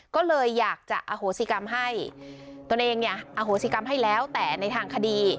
ก็เลยอยากจะอโหสิกรรมให้ตัวเองเนี่ยอโหสิกรรมให้แล้วแต่ในทางคดี